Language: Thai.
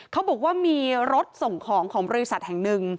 เขาบอกว่ามีรถส่งของของบริษัทแห่งหนึ่ง